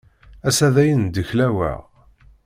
Ass-a dayen ndeklaweɣ.